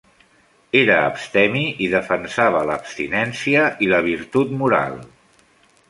Era abstemi i defensava l'abstinència i la virtut moral.